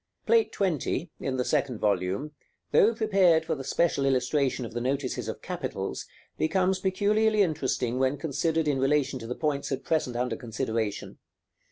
§ XI. Plate XX., in the second volume, though prepared for the special illustration of the notices of capitals, becomes peculiarly interesting when considered in relation to the points at present under consideration.